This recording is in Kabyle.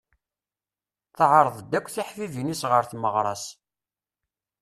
Teɛreḍ-d akk tiḥbibin-is ɣer tmeɣra-s.